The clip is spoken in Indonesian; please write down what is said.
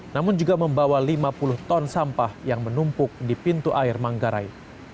namun juga membawa lima puluh ton sampah yang menumpuk di pintu air manggarai